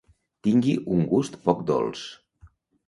Tingui un gust poc dolç.